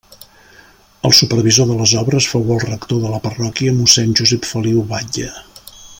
El supervisor de les obres fou el rector de la parròquia mossèn Josep Feliu Batlle.